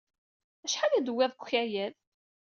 Acḥal i d-tewwiḍ deg ukayad?